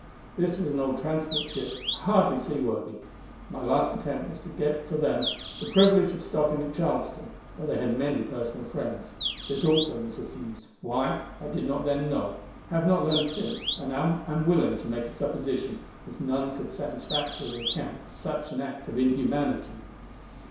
This was an old transport ship, hardly seaworthy. My last attempt was to get for them the privilege of stopping at Charleston, where they had many personal friends. This also was refused why, I did not then know, have not learned since, and am unwilling to make a supposition, as none could satisfactorily account for such an act of inhumanity.